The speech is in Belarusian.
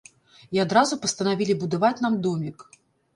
І адразу пастанавілі будаваць нам домік.